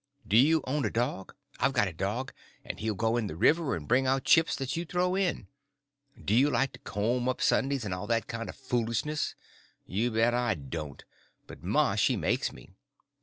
Do you own a dog? I've got a dog—and he'll go in the river and bring out chips that you throw in. Do you like to comb up Sundays, and all that kind of foolishness? You bet I don't, but ma she makes me.